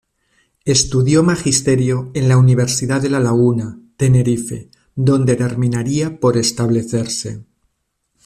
Estudió magisterio en la Universidad de La Laguna, Tenerife, donde terminaría por establecerse.